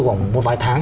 khoảng một vài tháng